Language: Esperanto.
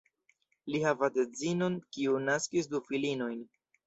Li havas edzinon, kiu naskis du filinojn.